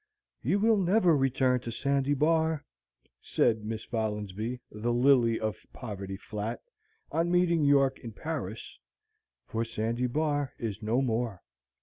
"You will never return to Sandy Bar," said Miss Folinsbee, the "Lily of Poverty Flat," on meeting York in Paris, "for Sandy Bar is no more.